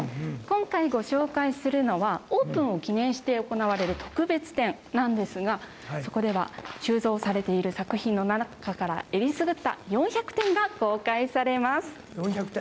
今回ご紹介するのは、オープンを記念して行われる特別展なんですが、そこでは収蔵されている作品の中からえりすぐった４００点が公開されます。